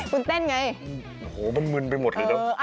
คุณเต้นไงโอ้โหมันมึนไปหมดเลยเนอะ